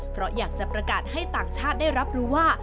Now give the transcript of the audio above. เพราะอยากจะประกาศให้ต่างชาติได้รับรู้ว่า